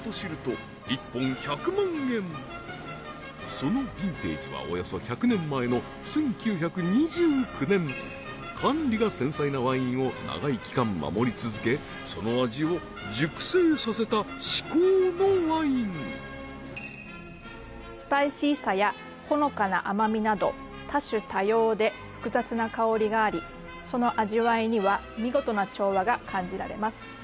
そのビンテージはおよそ１００年前の１９２９年管理が繊細なワインを長い期間守り続けその味を熟成させた至高のワインスパイシーさやほのかな甘みなど多種多様で複雑な香りがありその味わいには見事な調和が感じられます